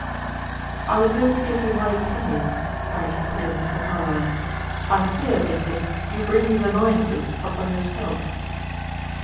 "I was going to give you my opinion," quietly put in Mr. Carlyle. "I fear, Justice, you bring these annoyances upon yourself."